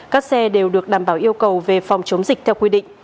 các xe đều được đảm bảo yêu cầu về phòng chống dịch theo quy định